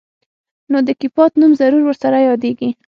نو د کيپات نوم ضرور ورسره يادېږي.